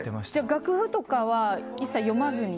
楽譜とかは一切読まずに？